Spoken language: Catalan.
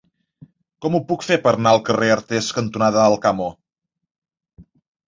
Com ho puc fer per anar al carrer Artés cantonada Alcamo?